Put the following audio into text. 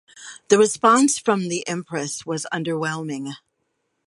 The response from the Empress was underwhelming.